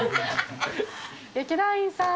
劇団員さん。